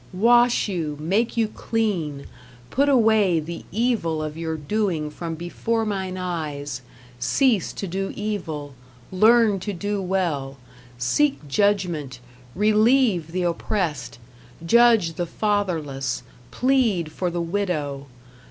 "Wash you, make you clean, put away the evil of your doing from before mine eyes; cease to do evil; learn to do well, seek judgment, relieve the oppressed, judge the fatherless, plead for the widow.